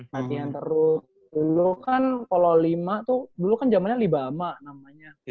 latihan terus dulu kan kalau lima tuh dulu kan zamannya libama namanya